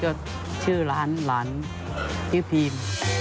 ก็ชื่อร้านร้านพีม